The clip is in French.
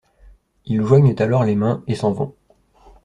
Ils joignent alors les mains et s'en vont.